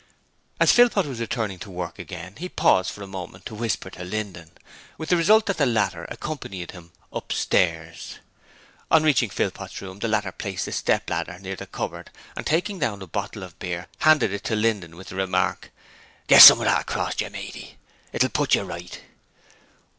As Philpot was returning to work again he paused for a moment to whisper to Linden, with the result that the latter accompanied him upstairs. On reaching Philpot's room the latter placed the step ladder near the cupboard and, taking down the bottle of beer, handed it to Linden with the remark, 'Get some of that acrost yer, matey; it'll put yer right.'